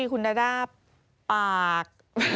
คุณนาด้าปาก